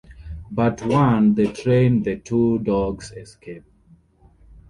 But one the train the two dogs escape.